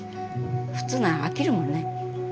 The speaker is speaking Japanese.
普通なら飽きるもんね。